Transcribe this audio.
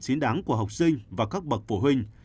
xứng đáng của học sinh và các bậc phụ huynh